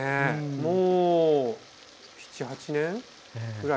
もう。